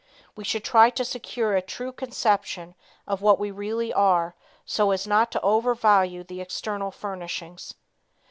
We should try to secure a true conception of what we really are so as not to over value the external furnishings.